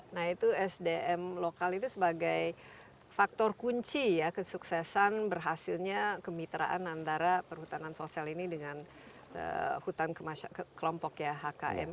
nah itu sdm lokal itu sebagai faktor kunci ya kesuksesan berhasilnya kemitraan antara perhutanan sosial ini dengan hutan kelompok ya hkm